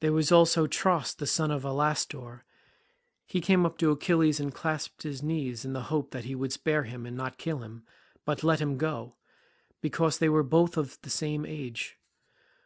There was also Tros the son of Alastor—he came up to Achilles and clasped his knees in the hope that he would spare him and not kill him but let him go, because they were both of the same age.